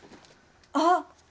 あっ！